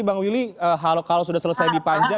bang willy kalau sudah selesai dipanjang